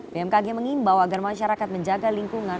bmkg mengimbau agar masyarakat menjaga lingkungan